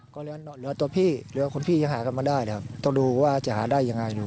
ก็เหลือตัวพี่เหลือคนพี่ยังหากันมาได้นะครับต้องดูว่าจะหาได้ยังไงอยู่